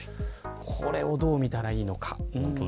これをどう見たらいいのか。